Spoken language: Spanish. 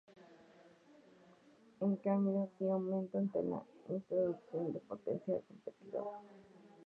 En cambio, sí aumenta ante la intrusión de un potencial competidor.